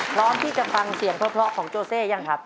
พร้อมที่จะฟังเสียงเพราะของโจเซยังครับ